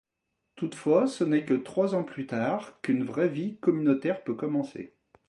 Toutefois, ce n’est que trois ans plus tard qu’une vraie vie communautaire peut commencer.